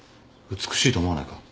美しいと思わないか？